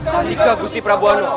sandika gusti prabowo